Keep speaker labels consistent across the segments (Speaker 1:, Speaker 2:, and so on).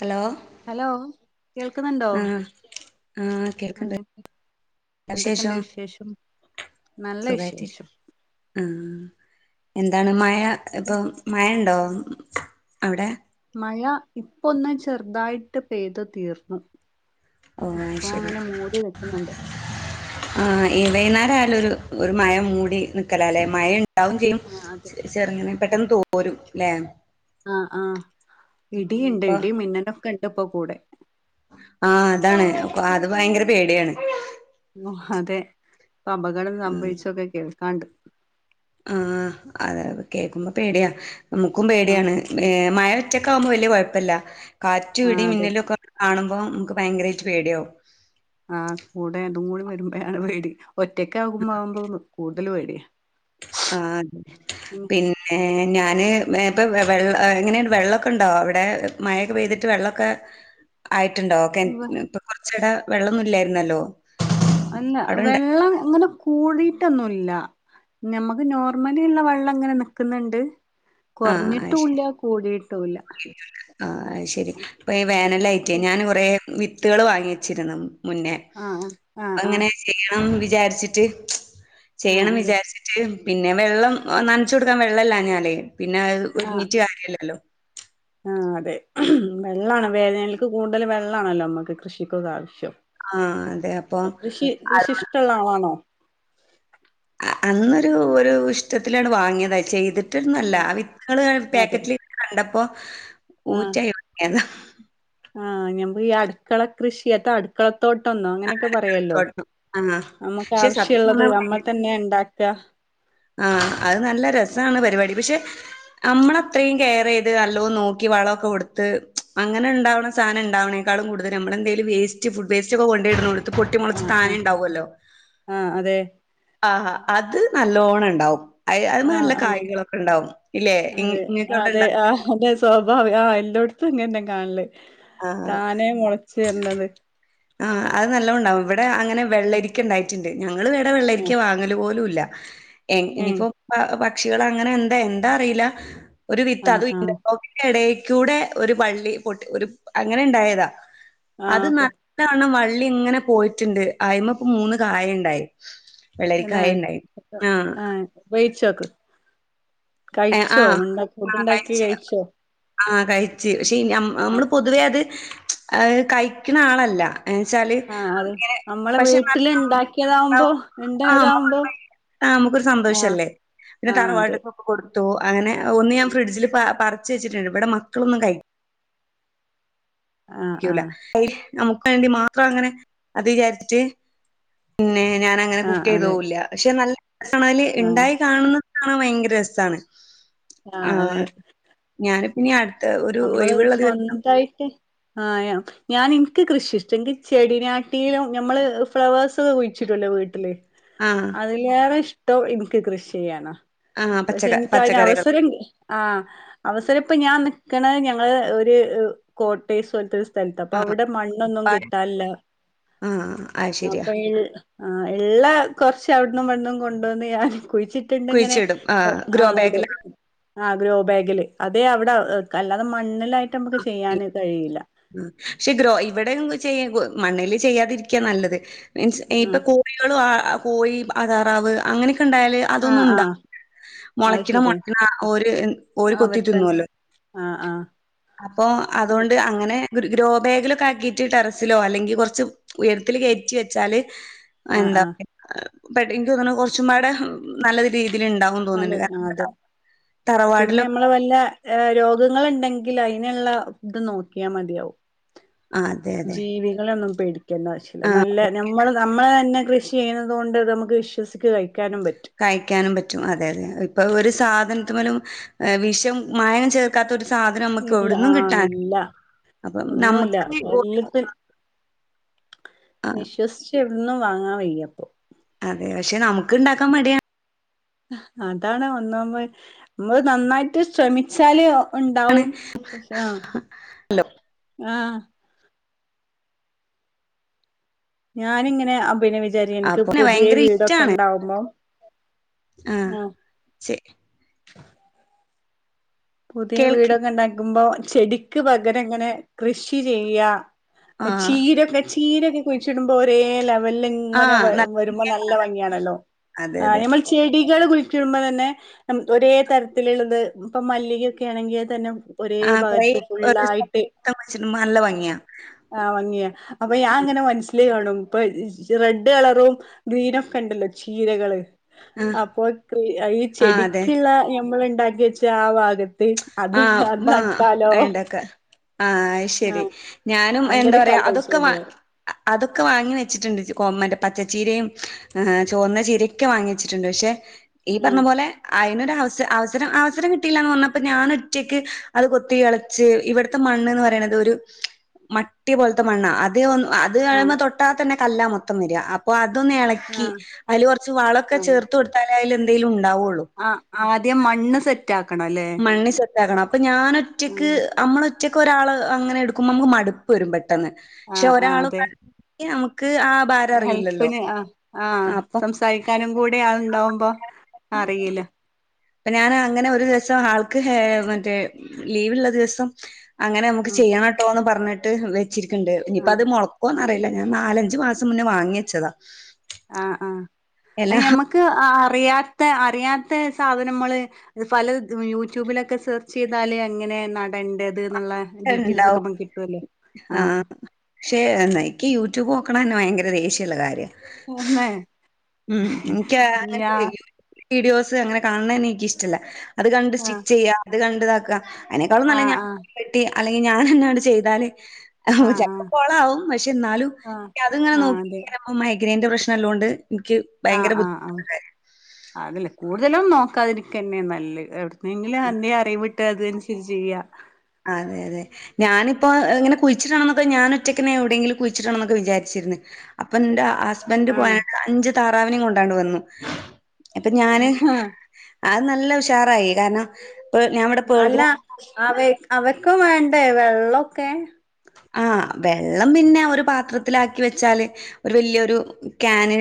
Speaker 1: Hello
Speaker 2: hello കേൾക്കുന്നുണ്ടോ?
Speaker 1: ആഹ് ആഹ് കേൾക്ക്ണ്ട്
Speaker 2: എന്തൊക്കെണ്ട് വിശേഷം നല്ല വിശേഷം.
Speaker 1: അഹ് എന്താണ് മഴ ഇപ്പൊ മഴ ണ്ടോ അവിടെ.
Speaker 2: മഴ ഇപ്പൊന്ന് ചെറുതായിട്ട് പെയ്തു തീർന്നു.
Speaker 1: ഓ അത്
Speaker 2: ഇപ്പൊ
Speaker 1: ശരി
Speaker 2: അങ്ങനെ മൂടി നികുന്നുണ്ട്.
Speaker 1: ആഹ് ഈ വൈന്നേരായാല് ഒരു ഒരു മഴ മൂടി നിക്കലല്ലെ മഴ ഉണ്ടാവും ചെയ്യും
Speaker 2: ആഹ് അതെ
Speaker 1: ചെറുങ്ങനെ പെട്ടെന്ന് തോരും ല്ലെ
Speaker 2: ആഹ് ആഹ് ഇടിയുണ്ട്
Speaker 1: ഇപ്പൊ
Speaker 2: ഇടി മിന്നലൊക്കെണ്ട് ഇപ്പോ കൂടെ
Speaker 1: ആഹ് അതാണ് അത് ഭയങ്കര പേടിയാണ്.
Speaker 2: ഓഹ് അതെ ഇപ്പൊ അപകടം സംഭവിച്ചൊക്കെ കേൾക്കാണ്ട്.
Speaker 1: ആഹ് അതൊ കേൾക്കുമ്പോ പേടിയാ നമ്മുക്കും
Speaker 2: ആ
Speaker 1: പേടിയാണ് മഴച്ച കാഉമ്പോ വല്യ കുഴപ്പല്ല കാറ്റ്,
Speaker 2: ആ
Speaker 1: ഇടി,
Speaker 2: അതെ
Speaker 1: മിന്നലും, ഒക്കെ കാണുമ്പോ നമുക്ക് ഭയങ്കരായിട്ട് പേടിയാവും.
Speaker 2: ആഹ് കൂടെ രണ്ടും കൂടി വരുമ്പോഴാണ് പേടി ഒറ്റക്ക ആകുമ്പോ ആകുമ്പോന്ന് കൂടുതൽ പേടിയാ
Speaker 1: ആതെ
Speaker 2: ഉം.
Speaker 1: പിന്നെ ന്നേ ഞാന് വേപ്പ വെള്ള എങ്ങനെ വെള്ളക്കെ ഉണ്ടോ അവിടെ മഴൊക്കെ പെയ്തിട്ട് വെള്ളക്കെ
Speaker 2: [inaudible]
Speaker 1: ആയിട്ടുണ്ടോ ഓക്കെ
Speaker 2: വ-
Speaker 1: ഇപ്പൊ കുറചൊരം വെള്ളന്നും ഇല്ലായിരുന്നല്ലോ
Speaker 2: എന്ന
Speaker 1: അവിടെ ഇണ്ട
Speaker 2: വെള്ളം ങ്ങട്ട് കൂടിയിട്ടൊന്നുല്ല നമ്മുക്ക് നോർമലി ഉള്ള വെള്ളം ങ്ങനെ നക്കുന്നുണ്ട്.
Speaker 1: ആഹ്
Speaker 2: കൊർഞ്ഞിട്ടൂല്യ കൂടിയിട്ടൂല്ല.
Speaker 1: പ്പൊ ഈ വേനലായിറ്റ് ഞാൻ കൊറേ വിത്തള് വാങ്ങിച്ചിരുന്നു മുന്നേ
Speaker 2: ആഹ് ആഹ് ആഹ്
Speaker 1: അപ്പങ്ങനെ ചെയ്യണം വിചാരിച്ചിട്ട്
Speaker 2: ആഹ്
Speaker 1: ചെയ്യണം
Speaker 2: അതെ
Speaker 1: വിചാരിച്ചിട്ട്. ട്ട് പിന്നെ വെള്ളം നനച്ച് കൊടുക്കാൻ വെള്ളല്ല ഞാലേ പിന്നെ
Speaker 2: ആഹ്
Speaker 1: ഒരുങിറ്റ് കാര്യല്ലല്ലോ
Speaker 2: ആഹ് അതെ വെള്ളാണ് വേനൽക്ക് കൂടുതൽ വെള്ളാണല്ലോ നമ്മക്ക് കൃഷിക്കൊക്കെ ആവശ്യം.
Speaker 1: ആഹ് അതെ അപ്പൊ
Speaker 2: കൃഷി കൃഷി
Speaker 1: അത്
Speaker 2: ഇഷ്ടള്ള ആളാണോ?
Speaker 1: അന്നൊരു ഒരു ഇഷ്ടത്തിലാണ് വാങ്ങിയത് ചെയ്തിട്ടന്നല്ല വിത്തുകൾ
Speaker 2: അതെ
Speaker 1: പാക്കറ്റില് കണ്ടപ്പോ
Speaker 2: ആഹ്
Speaker 1: ഊറ്റായി വങ്ങിയതാ.
Speaker 2: ആഹ് ഞമ്മ ഈ അടുക്കള കൃഷിയട്ടടു അക്കളത്തോട്ടൊന്നോ അങ്ങനെയൊക്കെ പറയല്ലോ
Speaker 1: അടുക്കളത്തോട്ടം. ആഹ്
Speaker 2: നമ്മുക്ക്
Speaker 1: പക്ഷെ സത്യം
Speaker 2: ആവശ്യള്ളത്
Speaker 1: പറഞ്ഞാ ഭയങ്കര
Speaker 2: നമ്മൾ തന്നെ ഇണ്ടാക്കി [unintelligible]
Speaker 1: ആഹ് അത് നല്ല രസാണ് പരിപാടി പക്ഷെ നമ്മള് അത്രേം കെയറെയ്ത് നല്ലോ നോക്കി വളോക്കെ കൊടുത്ത് അങ്ങനെ ണ്ടാവണ സാനം ഇണ്ടാവണ് കാളും കൂടുതല് നമ്മളെന്തേല് വേസ്റ്റ് ഫുഡ് വേസ്റ്റൊക്കെ കൊണ്ടയ്ട്ണോണ്ട് പൊട്ടി മുളച്ച്
Speaker 2: ആഹ്
Speaker 1: താനെ
Speaker 2: ആഹ്
Speaker 1: ണ്ടാവല്ലോ.
Speaker 2: ആഹ് അതെ
Speaker 1: ആഹ് അത് ന ല്ലോണ ണ്ടാവും. അഹ് അഹ് മൽ
Speaker 2: ആഹ്
Speaker 1: നല്ല
Speaker 2: ആഹ്
Speaker 1: കായ്കളൊക്കെ ണ്ടാവും. ഇല്ലെ ഇൻ
Speaker 2: അതെ
Speaker 1: ഇങ്ങക്ക്
Speaker 2: അതെ
Speaker 1: അവിടെണ്ട.
Speaker 2: ആഹ് അതെ സ്വാഭാവികാ. എല്ലോട്ത്തും ങ്ങന്നാ കാണല്
Speaker 1: ആഹ്
Speaker 2: താനേ മുളച്ച് വര്ന്നത്.
Speaker 1: ആഹ് അത് നല്ലോം ണ്ടാവും. വിടെ അങ്ങനെ
Speaker 2: ഉം
Speaker 1: വെള്ളരിക്ക ണ്ടായിട്ടുണ്ട്. ഞങ്ങള് ഇവിടെ വെള്ളരിക്ക
Speaker 2: ഉം
Speaker 1: വാ ങ്ങല് പോലുല്ല. എൻ
Speaker 2: ഏഹ്
Speaker 1: ഇനിപ്പോ പക്ഷികള് അങ്ങനെ എന്താ എന്താ അറിയില്ല. ഒരു വിത്ത്
Speaker 2: ആഹ്
Speaker 1: അത്
Speaker 2: ആഹ്
Speaker 1: ഇന്റർലോക്കിന്റെ ഇടേക്കൂടെ ഒരു വള്ളി പൊട്ടി ഒരു അങ്ങനെ ഇണ്ടായതാ. അത്
Speaker 2: ആഹ് പൊ
Speaker 1: നല്ലവണ്ണം വള്ളി ങ്ങനെ പോയിറ്റ്ണ്ട്. അയ്മ പ്പ മൂന്ന് കായണ്ടായി.
Speaker 2: തന്നെ
Speaker 1: വെള്ളരിക്കായണ്ടായി. ആഹ്
Speaker 2: ഉപയോഗിച്ചോക്ക്.
Speaker 1: ഏഹ്
Speaker 2: കഴിച്ചോ?
Speaker 1: ആഹ്
Speaker 2: ഉണ്ട
Speaker 1: ആഹ്
Speaker 2: ഫുഡ്ണ്ടാക്കി
Speaker 1: കഴിച്ച്
Speaker 2: കഴിച്ചോ?
Speaker 1: ആഹ് കഴ്ച്ച്. പഷെ ഇ ഞ
Speaker 2: ആഹ്
Speaker 1: അമ്മള് പൊതുവേ അത് അഹ് കഴിക്ക്ണ ആളല്ല. എന്നച്ചാല്
Speaker 2: ആഹ് അത്
Speaker 1: ഇങ്ങനെ
Speaker 2: നമ്മളെ
Speaker 1: പക്ഷെ
Speaker 2: വീട്ടില്
Speaker 1: നമ്മള്
Speaker 2: ഇണ്ടാക്കിയതാവുമ്പോ
Speaker 1: ഇണ്ടാവുമ്പോ നമ്മക്കൊരു
Speaker 2: ഇണ്ടായതാവുമ്പോ
Speaker 1: ഇതല്ലേ. ആഹ് അമ്മക്കൊരു
Speaker 2: ആഹ്
Speaker 1: സന്തോഷല്ലേ. പിന്നെ
Speaker 2: ആഹ് അതെ
Speaker 1: തറവാട്ട്ക്ക് കൊട്ത്തു. അങ്ങനെ ഒന്ന് ഞാൻ ഫ്രിഡ്ജില് പ പറച്ച് വച്ചിട്ടുണ്ട്. ഇവിടെ മക്കളൊന്നും കഴി
Speaker 2: ആഹ്
Speaker 1: ക്യൂല.
Speaker 2: ആഹ്
Speaker 1: നമുക്ക് വേണ്ടി മാത്രം അങ്ങനെ അത് വിചാരിച്ചിട്ട് പിന്നെ ഞാന ങ്ങനെ
Speaker 2: ആഹ് അതെ
Speaker 1: കുക്കയ്തതൂല്ല. പഷെ നല്ല രസാണ്.
Speaker 2: ആഹ്
Speaker 1: ഇണ്ടായി കാണുന്ന കാണാൻ ഭയങ്കര രസാണ്
Speaker 2: ആഹ് അതെ
Speaker 1: ഞാനിപ്പനി അട്ത്ത ഒ
Speaker 2: അമ്മള് സ്വന്തായിട്ട് ആയാ ഞാന് ഇൻക്ക് കൃഷി ഇഷ്ടാ. ഇൻക്ക് ചെടിനാട്ടിലും ഞമ്മള് ഫ്ളവേഴ്സ് കുഴിച്ച്ടൂലേ വീട്ടില്
Speaker 1: ആഹ്
Speaker 2: ഏറെ ഇഷ്ടം ഇൻക്ക് കൃഷിയാണ്.
Speaker 1: ആഹ്
Speaker 2: പഷെ
Speaker 1: പച്ചക്ക
Speaker 2: ഇൻക്ക് അയിന്
Speaker 1: പച്ചക്കറികൾ
Speaker 2: അവസരം ആഹ് അവസരം പ്പ ഞാൻ നിക്കണ ഞങ്ങള് ഒര് കോട്ടയ്സ് പോൽത്തൊരു സ് സ്ഥലത്താ. അപ്പ
Speaker 1: ആഹ്
Speaker 2: അവ്ടെ മണ്ണൊന്നും കിട്ടാല്ല.
Speaker 1: ആഹ് അത് ശെരിയാ
Speaker 2: അപ്പയ് ആഹ് ഇള്ള കൊറച്ച് അവട്ന്നും ഇവട്ന്നും കൊണ്ടോന്ന് ഞാൻ കുഴിച്ചി ട്ട്ങ്ങനെ
Speaker 1: കുഴിച്ചിടും ആഹ്
Speaker 2: ആ
Speaker 1: ഗ്രോ
Speaker 2: ഇടും.
Speaker 1: ബാഗിലാ
Speaker 2: ആഹ് ഗ്രോ ബാഗില്. അതെ അവിടെ അല്ലാതെ മണ്ണിലായിട്ട് ഞമ്മക്ക് ചെയ്യാന് കഴിയില്ല.
Speaker 1: ആഹ് പക്ഷെ ഗ്രോ ഇവിടെങ്ങ് ചെയ്യ മണ്ണല് ചെയ്യാതിരിക്യാ നല്ലത്. മീൻസ് ഇപ്പൊ
Speaker 2: ആഹ്
Speaker 1: കൊ കോഴികള് ആ കോയി അ താറാവ് അങ്ങനൊക്കെ ണ്ടായാല്
Speaker 2: ആഹ് ആഹ് അത്
Speaker 1: മൊളയ്ക്കിണ
Speaker 2: ശരിയാ
Speaker 1: മൊട്ട്ണ ഓര് ഓര് കൊത്തി
Speaker 2: അവർത്തൻ
Speaker 1: തിന്നൊല്ലോ.
Speaker 2: ആഹ് ആഹ്
Speaker 1: അപ്പൊ അതോണ്ട് അങ്ങനെ അൻ ഒരു ഗ്രോ ബേഗിലൊക്കെ ആക്കിട്ട് ടെറസിലോ അല്ലെങ്കി കുറ്ച്ച് ഉയരത്തില് കേറ്റി വെച്ചാല്
Speaker 2: ആഹ്
Speaker 1: എന്താ
Speaker 2: ആഹ്
Speaker 1: പറ്യ പെട്ടിക്ഇൻക്ക് തോന്ന്ണ് കൊറ്ച്ചുംപാടെ നല്ല രീതില് ണ്ടാവും.
Speaker 2: നല്ലത്. ആഹ് അതെ. പിന്നെ നമ്മള് വല്ല രോഗങ്ങള്ണ്ടെങ്കിൽ അയിന്ള്ള ത് നോക്കിയാ മതിയാവും.
Speaker 1: ആ അതെ അതെ
Speaker 2: ജീവികളെന്നും പേടിക്കേണ്ട ആവഷല്യ.
Speaker 1: ആ
Speaker 2: നല്ല
Speaker 1: ഓക്കെ.
Speaker 2: നമ്മള് നമ്മളെന്നെ കൃഷി ചെയ്യ്ന്നത് കൊണ്ട് നമ്ക്ക് വിശ്വസിക്ക് കഴിക്കാനും പറ്റും.
Speaker 1: കഴിക്കാനും പറ്റും. അതെ തെ ഇപ്പ ഒര് സാധൻത്ത്മ്മലും വിഷം മായംചേർ ക്കാത്ത ഒരു സാധനും നമുക്ക്
Speaker 2: ഇല്ല
Speaker 1: എവിട്ന്നും
Speaker 2: ആഹ്
Speaker 1: കിട്ടാനില്ല.
Speaker 2: ഇല്ല
Speaker 1: അപ്പം
Speaker 2: ഒന്നുല്ല
Speaker 1: നമുക്ക് വീട്ടില്
Speaker 2: വല്ലതും
Speaker 1: ണ്ടാ
Speaker 2: വിശ്വസിച്ച് എവിട്ന്നും വാങ്ങാൻ വയ്യ പ്പൊ.
Speaker 1: അതെ. പഷെ നമുക്ക് ണ്ടാക്കാൻ മടിയാ.
Speaker 2: അതാണ് ഒന്നാമ്മഅ്. മ്മൾ നന്നായിട്ട് ശ്രമിച്ചാല് ഉണ്ടാവും. പക്ഷേ ആഹ്
Speaker 1: ല്ലോ.
Speaker 2: ആഹ് ഞാന്ങ്ങനെ അ പിന്നെ വിചാരിക്ക ഇൻക്ക്
Speaker 1: അപ്പൊ
Speaker 2: പുത്യേ
Speaker 1: ഭയങ്കര
Speaker 2: വീടൊക്കെ
Speaker 1: ഇഷ്ടാണ്.
Speaker 2: ണ്ടാവുമ്പോ ആഹ്
Speaker 1: ശരി
Speaker 2: പുതിയ
Speaker 1: കേൾക്കി
Speaker 2: വീടൊക്കെ ഇണ്ടാക്കുമ്പോ ചെടിക്ക് പകരം ഇങ്ങനെ കൃഷി ചെയ്യാ
Speaker 1: ആ
Speaker 2: ചീരക്കെ ചീരൊക്കെ കുഴിച്ചിടുമ്പോ ഒരേ ലെവല് ഇ
Speaker 1: ആ
Speaker 2: ഇങ്ങനെ വ
Speaker 1: നല്ല
Speaker 2: വരുമ്പൊ
Speaker 1: ഭംഗിയാ
Speaker 2: നല്ല
Speaker 1: കാണാൻ.
Speaker 2: ഭംഗിയാണല്ലോ
Speaker 1: അതെ
Speaker 2: ആ
Speaker 1: അതെ.
Speaker 2: ഞമ്മള് ചെടികള് കുയിച്ചിടുമ്പം തന്നെ ഒരേ തരത്തില്ള്ളത് ഇപ്പം മല്ലി ക ഒക്കെ ആണെങ്കി അഅ്തന്നെ ഒരേ
Speaker 1: ആ കൊറേ
Speaker 2: ഭാഗത്ത്
Speaker 1: ഒരു സ്ഥലം
Speaker 2: ഫുള്ളായിട്ട്
Speaker 1: മൊത്തം വെച്ചിട്ട് നല്ല ഭംഗിയാ.
Speaker 2: ആഹ് ഭംഗിയാ അപ്പ ഞാൻ ഇങ്ങനെ മനസ്സില് കാണും ഇപ്പ റെഡ് കളറും ഗ്രീനൊക്കെ ഇണ്ടല്ലോ ചീരകള്
Speaker 1: ആ
Speaker 2: അപ്പൊ ഈ
Speaker 1: ആ അതെ.
Speaker 2: ചെടിക്കുള്ള നമ്മൾ ഉണ്ടാക്കി വെച്ച ആ ഭാഗത്ത് അത്
Speaker 1: ആഹ്
Speaker 2: അത്
Speaker 1: ബാ
Speaker 2: നട്ടാലോ
Speaker 1: അയണ്ടക്ക ആഹ് അത് ശരി
Speaker 2: ആഹ്
Speaker 1: ഞാനും എന്താ
Speaker 2: അങ്ങനൊക്കെ
Speaker 1: പറയാ അതൊക്കെ വ
Speaker 2: ആലോചിച്ചത്
Speaker 1: അതൊക്കെ വാങ്ങി വെച്ചിട്ടുണ്ട് കോ മറ്റെ പച്ചച്ചീരയും ആഹ് ചുവന്ന ചീരയും ഒക്കെ വാങ്ങി വെച്ചിട്ടുണ്ട് പക്ഷെ ഈ
Speaker 2: ആഹ്
Speaker 1: പറഞ്ഞ പോലെ അതിനൊരു അവസരം അവസരം കിട്ടിയില്ലന്ന് പറഞ്ഞപ്പോ ഞാൻ ഒറ്റക്ക് അത് കൊത്തി കെളച്ച് ഇവിടുത്തെ മണ്ണ്ന്ന് പറയണത് ഒരു മട്ടി പോലത്തെ ത്തെ മണ്ണാ അത് അത്
Speaker 2: ആഹ്
Speaker 1: അയ്മേ തൊട്ടാെ തന്നെ കല്ലാ മൊത്തം വരിക അപ്പോ അതൊന്ന് എള ക്കി
Speaker 2: ആഹ്
Speaker 1: അതില് കൊറച് വളൊക്കെ ചേർത്ത് കൊടുത്താലേ അതിൽ എന്തെങ്കിലും ഉണ്ടാവുള്ളൂ
Speaker 2: ആ ആദ്യം മണ്ണ് സെറ്റാക്കണം ലെ
Speaker 1: മണ്ണ് സെറ്റാക്കണം അപ്പൊ ഞാനൊറ്റക്ക് അമ്മളൊറ്റ ഒറ്റക്ക് ഒരാള് അങ്ങനെ എടുക്കുമ്പോ നമുക്ക് മടുപ്പ് വരും പെട്ടെന്ന് പക്ഷെ
Speaker 2: ആഹ് ആഹ്
Speaker 1: ഒരാള്
Speaker 2: അതെ
Speaker 1: നമുക്ക് ആ ഭാരം അറിയില്ലല്ലോ.
Speaker 2: ഹെൽപ്പിന് ആ ആഹ്
Speaker 1: അപ്പൊ
Speaker 2: സംസാരിക്കാനും കൂടി ആള് ണ്ടാവുമ്പോ അറിയില്ല
Speaker 1: ഇപ്പ ഞാൻ അങ്ങനെ ഒരു ദിവസം ആൾക്ക് മറ്റേ ലീവ്ള്ള ദിവസം അങ്ങനെ നമുക്ക്
Speaker 2: ഉം
Speaker 1: ചെയ്യണം ട്ടോ എന്ന് പറഞ്ഞിട്ട് വെച്ചിരിക്കുണ്ട്
Speaker 2: ആ
Speaker 1: ഇനിയിപ്പ അത് മുളക്കോന്ന് അറിയില്ല ഞാൻ നാലഞ്ചു മാസം മുന്നേ വാങ്ങി വച്ചതാ
Speaker 2: ആഹ് ആഹ് അത് നമ്മക്ക് അറിയാത്ത അറിയാത്ത സാധനങ്ങള് പല യൂട്യൂബിലൊക്കെ സെർച്ച് ചെയ്താല് എങ്ങനെ നടേണ്ടത് ള്ള ഡീറ്റെയിൽസ് ഒക്കെ
Speaker 1: ഇണ്ടാവും.
Speaker 2: പ്പൊ കിട്ടുല്ലോ ആ
Speaker 1: പക്ഷേ എനിക്ക് യൂട്യൂബ് നോക്കണന്നെ ഭയങ്കര ദേഷ്യള്ള കാര്യം ആണ്
Speaker 2: ന്ന [unintelligible]
Speaker 1: ഉം എനിക്ക് അങ്ങൻത്തെ വീഡിയോസ് അങ്ങനെ കാണണന്നെ എനിക്കിഷ്ടല്ല അത് കണ്ട്
Speaker 2: ആ
Speaker 1: സ്റ്റിച്ച് ചെയ്യ അത് കണ്ട്താക്ക അതിനേക്കാളും
Speaker 2: ആ
Speaker 1: നല്ലെ ഞാൻ
Speaker 2: ആ
Speaker 1: വെട്ടി അല്ലെങ്കിൽ ഞാൻ എന്നെ ആണ്ട് ചെയ്താല് ആ ചെലപ്പോ കൊളാവും പക്ഷെ ന്നാലും
Speaker 2: ആ
Speaker 1: അത് ഇങ്ങനെ
Speaker 2: ആ അതെ
Speaker 1: നോക്കിരിക്ക മൈഗ്രൈന്റെ പ്രശ്നം ഉള്ളോണ്ട് ഇൻക്ക്
Speaker 2: ആഹ് ആഹ് ആഹ് അതല്ല കൂടുതലും നോക്കാതിരിക്കന്നെ നല്ലെ എന്തെങ്കിലും എന്നെ അറിവിട്ട് അത് അനുസരിച്ച് ചെയ്യ
Speaker 1: അതെ അതെ ഞാനിപ്പോ ഇങ്ങനെ കുയിചിടണ ന്നൊക്കെ ഞാൻ ഒറ്റക്കന്നെ എവിടെയങ്കിലും കുയിച്ചിടണം ന്നൊക്കെ വിചാരിച്ചിരുന്നു അപ്പം ഇന്റെ ഹസ് ഹസ്ബന്റ്
Speaker 2: ആ
Speaker 1: പോയ അഞ്ച് താറാവിനും കൊണ്ടാണ്ട് വന്നു ഇപ്പൊ ഞാന്
Speaker 2: ആ
Speaker 1: അത് നല്ല ഉഷാറായി കാരണം ഞാൻ ഇവിടെ പേർഗ്ര
Speaker 2: അവർക്കും വേണ്ടേ വെള്ളൊക്കെ
Speaker 1: ആ വെള്ളം പിന്നെ ഒരു പാത്രത്തിലാക്കി വെച്ചാല് റ്ല്യൊരു ക്യാന്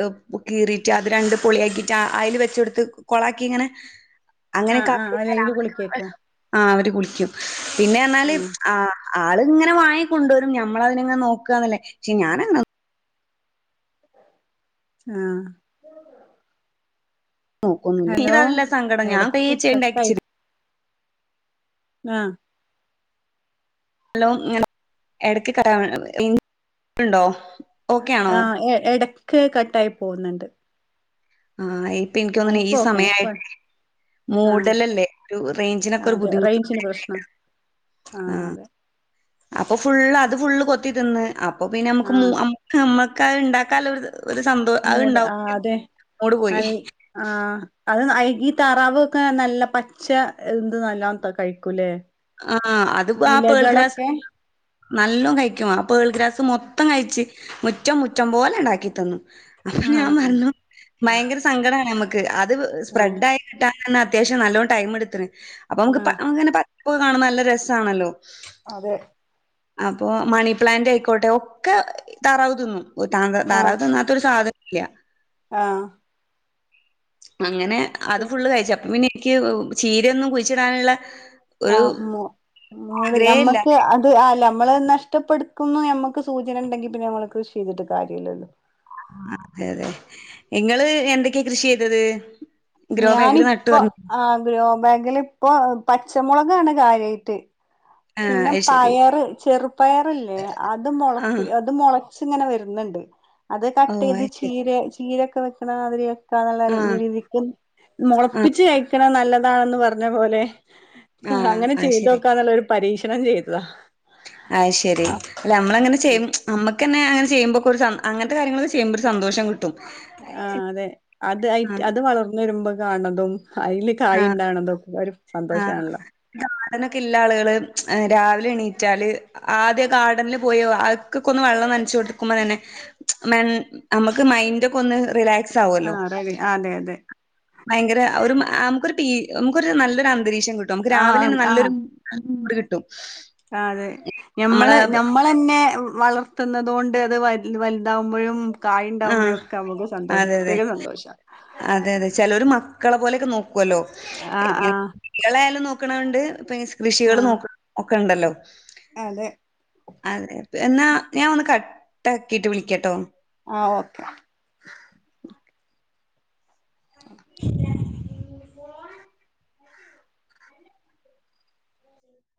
Speaker 1: ഏഹ് കീറീട്ട് അത് രണ്ട് പൊള്യാക്കിട്ട് അഹ് അയില് വെച്ചോടുത്ത് കൊളാക്കി ഇങ്ങനെ
Speaker 2: ആഹ്
Speaker 1: അങ്ങനെക്കെ
Speaker 2: ആഹ്
Speaker 1: ആക്കി
Speaker 2: അല്ലെല് കുളിക്കേക്കും
Speaker 1: [unintelligible] ആഹ് അവര് കുളിക്കും. പിന്നെ പറഞ്ഞാല്.
Speaker 2: ആഹ്
Speaker 1: അഹ് ആള്ങ്ങനെ വാങ്ങി കൊണ്ടുവരും. ഞമ്മളതിനങ്ങനെ നോക്ക്വാന്നല്ലേ? പക്ഷേ ഞാനങ്ങ്
Speaker 2: ആഹ്
Speaker 1: നോക്കൊന്നുല്ല്യാ.
Speaker 2: ഹലോ
Speaker 1: ഇതല്ല സങ്കടം ഞാൻ
Speaker 2: എടക്ക് കട്ടായി
Speaker 1: തൈവച്ച്ണ്ടാക്കിച്ചത്.
Speaker 2: ആഹ്
Speaker 1: [unintelligible] എടയ്ക്ക് [unintelligible] ണ്ടോ? ഓക്കെ ആണോ
Speaker 2: ആഹ് എ എടയ്ക്ക് കട്ടായി പോകുന്നുണ്ട്.
Speaker 1: ആഹ് ഇപ്പ എനിക്ക്
Speaker 2: ആഹ്
Speaker 1: തോന്നുണ് ഈ
Speaker 2: ഇപ്പൊ ഓക്കെയാണ്
Speaker 1: സമയായി
Speaker 2: ഇപ്പ ആഹ്
Speaker 1: മൂടലല്ലേ? ഒരു റേഞ്ചിനൊക്കെ ഒരു
Speaker 2: അതെ
Speaker 1: ബുദ്ധിമുട്ട്
Speaker 2: റേഞ്ചിന്റെ പ്രശ്നം ആഹ് അതെ
Speaker 1: അപ്പോ ഫുള്ള് അത് ഫുള്ള് കൊത്തി തിന്ന്. അപ്പോ പിന്നെ നമ്മുക്ക് മു
Speaker 2: ആഹ്
Speaker 1: അമുക്ക് നമ്മക്കത് ഇണ്ടാക്കാൻള്ള ഒര്ത് ഒരു സന്തോ
Speaker 2: മൂട്
Speaker 1: അത്ണ്ടാവും.
Speaker 2: ആഹ് അതെ
Speaker 1: മൂഡ് പോയി.
Speaker 2: നൽ ആഹ് അത് നാ ഈ ഈ താറാവ് ഒക്കെ നല്ല പച്ച എന്ത് നല്ലാ ത കഴിക്കൂലേ?
Speaker 1: ആഹ് അതിപ്പോ ആ പേൾ ഗ്രാസ്
Speaker 2: ഇലകളൊക്കെ
Speaker 1: നല്ലോം കയിക്കും. ആ പേൾ ഗ്രാസ് മൊത്തം കയിച്ച് മുറ്റം മുറ്റം പോലെങ്ങാടാക്കി തന്നു. അപ്പ ഞാൻ
Speaker 2: ആഹ്
Speaker 1: പറഞ്ഞു. ഭയങ്കര സങ്കടാണ് ഞമ്മക്ക് അത്
Speaker 2: ആഹ്
Speaker 1: സ്പ്രെഡായി കിട്ടാനന്നേ അത്യാവശ്യം നല്ലോം ടൈമ് എടുത്തിന്. അപ്പോ നമുക്ക് പ
Speaker 2: ആഹ്
Speaker 1: അങ്ങനെ പ പ്പ് കാണാൻ നല്ല രസാണല്ലോ
Speaker 2: അതെ
Speaker 1: അപ്പോ മണിപ്ലാന്റ് അയിക്കോട്ടെ ഒക്ക താറാവ് തിന്നു. താങ്ക
Speaker 2: ആഹ്
Speaker 1: താറാവ് തിന്നാത്തൊരു സാധ ഇല്ല്യ
Speaker 2: ആഹ്
Speaker 1: അങ്ങനെ അത് ഫുള്ള് കയിച്ചപ്പ പിന്നെ ഇയ്ക്ക് ചീരയൊന്നും കുയിച്ചിടാനുള്ള
Speaker 2: ആഹ് മോ മോളിൽ
Speaker 1: ഇല്ല
Speaker 2: ഞമ്മക്ക് അഹ് ആഹ് അല്ല ഞമ്മള് നഷ്ടപ്പെടുക്കുംന്ന് ഞമ്മക്ക് സൂചനണ്ടെങ്കി പിന്നെ ഞമ്മള് കൃഷീതിട്ട് കാര്യല്ല്യല്ലോ
Speaker 1: അഹ് അതെ അതെ. ഇങ്ങള് എന്തൊക്കെ കൃഷീതത്.
Speaker 2: ഞാനിപ്പോ ആ ഗ്രോബാഗിലിപ്പോ പച്ചമൊളകാണ് കാര്യായിട്ട്
Speaker 1: ആഹ്
Speaker 2: പിന്നെ
Speaker 1: അത് ശരി
Speaker 2: പയറ് ചെറുപയറില്ലേ? അത് മൊളപ്പി
Speaker 1: ആഹ്
Speaker 2: അത് മൊള ച്ച്ങ്ങനെ വര്ന്നുണ്ട്. അത്
Speaker 1: ഓ
Speaker 2: കട്ടീത്
Speaker 1: അത് ശരി
Speaker 2: ചീരെ ചീരൊക്കെ വെക്കണ മാതിരി [unintelligible] നല്ല
Speaker 1: ആഹ്
Speaker 2: രീതിക്ക്
Speaker 1: ആഹ്
Speaker 2: മൊളപ്പിച്ച് കയിക്കണ നല്ലതാണെന്ന് പറഞ്ഞ പോലെ
Speaker 1: ആഹ്
Speaker 2: അങ്ങനെ
Speaker 1: അത് ശരി
Speaker 2: ചെയ്തോക്കാനൊള്ളൊരു പരീക്ഷണം ചെയ്തതാ
Speaker 1: ആയ്ശെരി അല്ല അമ്മളങ്ങനെ
Speaker 2: അപ്പൊ
Speaker 1: ചെയ്യും. നമ്മക്കന്നെ ചെയ്യുമ്പോക്കൊരു സം അങ്ങനത്തെ കാര്യങ്ങളൊക്കെ ചെയ്യുമ്പോ ഒരു സന്തോഷം കിട്ടും.
Speaker 2: ആഹ് അതെ. അത് ആയിട്ട്
Speaker 1: ആഹ്
Speaker 2: അത് വളർന്ന് വരുമ്പോ കാണണതും അയില് കായ്
Speaker 1: ആഹ്
Speaker 2: ഉണ്ടാവണതൊക്കെ ഒരു സന്തോഷാണല്ലോ
Speaker 1: ഗാർഡനോക്കെക്കില്ലാളുകള് രാവിലെ എണീറ്റാല് ആദ്യം ആ ഗാർഡനില് പോയോ അത്ക്കൊക്കൊന്ന് വെള്ളം നനച്ചു കൊടുക്കുമ്പോ തന്നെ മെൻ നമുക്ക് മൈൻഡ് ഒക്കെ ഒന്ന് റിലാക്സ് സാവോല്ലോ
Speaker 2: ആഹ് റെഡി അതെ അതെ
Speaker 1: ഭയങ്കര ഒരു മാ അം ഒരു പി നമുക്കൊരു നല്ലൊരു അന്തരീക്ഷം കിട്ടും. നമുക്ക്
Speaker 2: ആഹ്
Speaker 1: രാവിലെന്നെ നല്ലൊരു [inaudible] മൂട് കിട്ടും.
Speaker 2: അഹ് അതെ
Speaker 1: നമ്മളെ
Speaker 2: ഞമ്മള് ഞമ്മ തന്നെ വ വളർത്തുന്നത് കൊണ്ട് അത് വൽ വൽതാവുമ്പഴും
Speaker 1: ആഹ്
Speaker 2: കായ്ണ്ടാവുമ്പഴൊക്കെ നമ്മക്കും സന്തോഷം
Speaker 1: അതെ അതെ
Speaker 2: പ്രത്യേക സന്തോഷാ
Speaker 1: അതെ അതെ ചെലോര് മക്കളെ പോലെയൊക്കെ നോക്കുവല്ലോ
Speaker 2: ആഹ് ആഹ്
Speaker 1: ക്കെളയായാലും നോക്കണണ്ട് പി കൃഷികളും
Speaker 2: ആഹ്
Speaker 1: നോക്ക ഒക്കെ ഇണ്ടല്ലോ
Speaker 2: അതെ
Speaker 1: ആഹ് ഇൻ എന്നാ ഞാൻ ഒന്ന് കട്ടാക്കീട്ട് വിളിക്കാട്ടോ
Speaker 2: ആഹ് ഓക്കെ